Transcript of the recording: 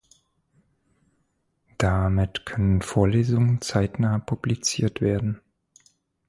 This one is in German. Damit können Vorlesungen zeitnah publiziert werden.